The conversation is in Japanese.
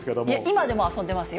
今でも遊んでますよ。